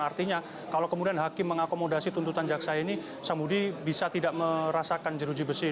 artinya kalau kemudian hakim mengakomodasi tuntutan jaksa ini sambudi bisa tidak merasakan jeruji besi